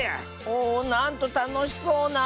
おおなんとたのしそうな。